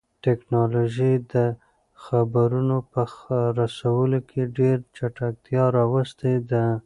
تکنالوژي د خبرونو په رسولو کې ډېر چټکتیا راوستې ده.